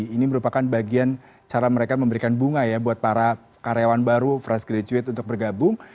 ini merupakan bagian cara mereka memberikan bunga ya buat para karyawan baru fresh graduate untuk bergabung